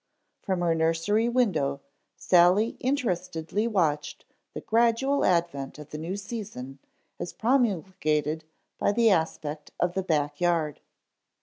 From her nursery window Sally interestedly watched the gradual advent of the new season as promulgated by the aspect of the back yard.